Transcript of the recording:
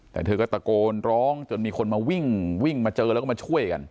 แต่เธอก็ตะโกนร้องจนมีคนมาวิ่งวิ่งมาเจอแล้วก็มาช่วยกัน